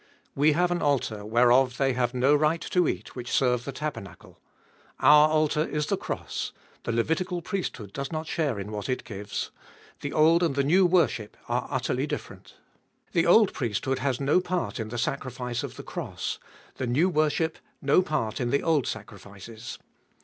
We have an altar, whereof they have no right to eat, which serve the tabernacle. Our altar is the cross : the Levitical priesthood does not share in what it gives ; the old and the new worship are utterly different The old priesthood has no part in the sacrifice of the cross : the new worship no part in the old sacrifices.